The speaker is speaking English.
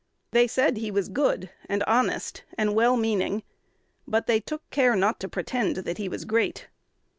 They said he was good and honest and well meaning; but they took care not to pretend that he was great.